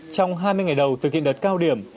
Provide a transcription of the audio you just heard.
trong hai mươi ngày đầu thực hiện đợt cao điểm